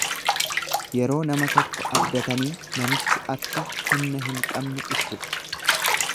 Yeroo nama tokko abdatanii namichi akka humna hin qabne ibsudha.